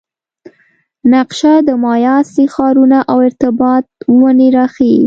نقشه د مایا اصلي ښارونه او ارتباط ونې راښيي